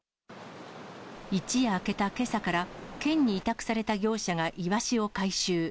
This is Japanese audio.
一夜明けたけさから、県に委託された業者がイワシを回収。